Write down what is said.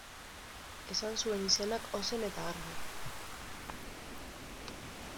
Esan zuen izenak ozen eta argi.